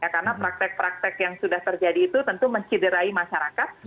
karena praktek praktek yang sudah terjadi itu tentu menciderai masyarakat